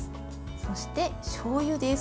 そして、しょうゆです。